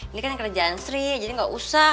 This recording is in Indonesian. ini kan kerjaan istri jadi gak usah